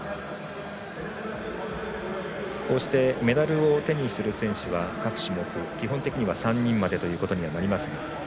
こうしてメダルを手にする選手は各種目、基本的には３人までということにはなりますが。